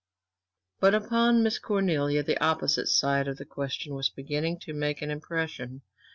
But upon Miss Cornelia the opposite side of the question was beginning to make an impression.